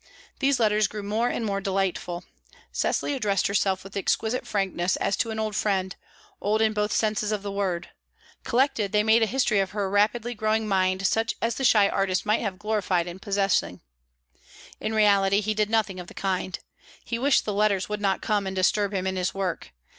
These letters grew more and more delightful. Cecily addressed herself with exquisite frankness as to an old friend, old in both senses of the word; collected, they made a history of her rapidly growing mind such as the shy artist might have gloried in possessing. In reality, he did nothing of the kind; he wished the letters would not come and disturb him in his work.